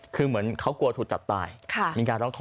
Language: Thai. คือเหมือนเขากลัวถูกจับตายมีการร้องขอ